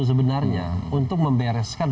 sebenarnya untuk membereskan